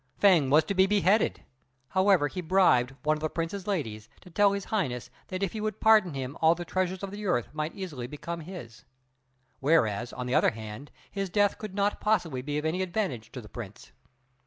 Fêng was to be beheaded; however, he bribed one of the Prince's ladies to tell His Highness that if he would pardon him all the treasures of the earth might easily become his; whereas, on the other hand, his death could not possibly be of any advantage to the Prince.